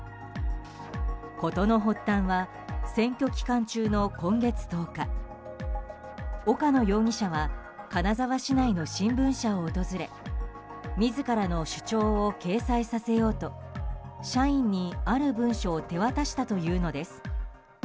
事の発端は選挙期間中の今月１０日岡野容疑者は金沢市内の新聞社を訪れ自らの主張を掲載させようと社員にある文書を手渡したというのです。